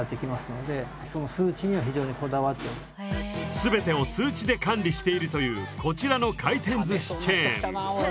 すべてを数値で管理しているというこちらの回転ずしチェーン。